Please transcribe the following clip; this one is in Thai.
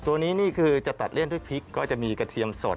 ตัวนี้นี่คือจะตัดเลี่ยนด้วยพริกก็จะมีกระเทียมสด